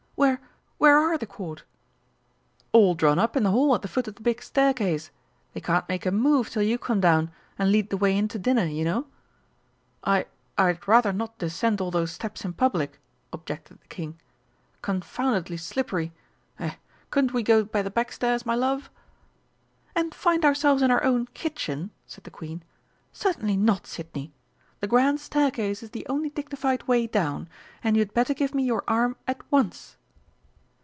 "Where where are the Court?" "All drawn up in the Hall at the foot of the big staircase. They can't make a move till you come down, and lead the way in to dinner, you know!" "I I'd rather not descend all those steps in public," objected the King. "Confoundedly slippery. Er couldn't we go by the backstairs, my love?" "And find ourselves in our own kitchen!" said the Queen. "Certainly not, Sidney! The grand staircase is the only dignified way down, and you had better give me your arm at once."